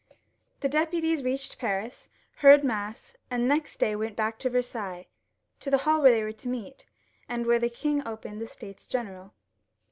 The deputies reached Paris, heard mass, and next day came back to Versailles, to the hall where they were to meet, n and where the long opened the States General.